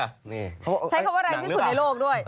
ใช้คำว่าแรงที่สุดในโลกด้วย